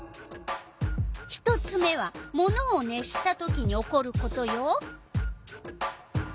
１つ目はものを熱したときに起こることよ。